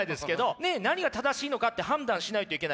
ねっ何が正しいのかって判断しないといけない。